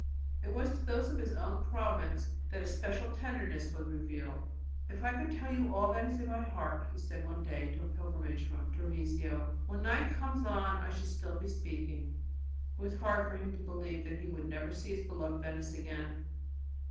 It was to those of his own province that a special tenderness was revealed. "If I could tell you all that is in my heart," he said one day to a pilgrimage from Treviso, "when night comes on I should be still speaking." It was hard for him to believe that he would never see his beloved Venice again.